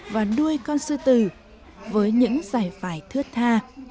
và đuôi con sư tử với những giải vải thướt tha